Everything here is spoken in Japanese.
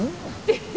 えっ？